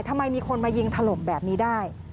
ทำไมมีคนมายิงถล่มแบบนี้ได้